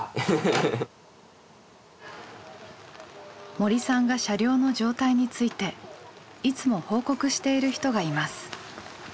森さんが車両の状態についていつも報告している人がいます。